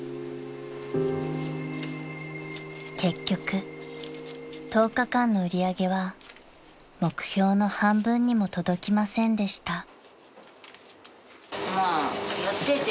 ［結局１０日間の売り上げは目標の半分にも届きませんでした］